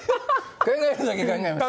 考えるだけ考え。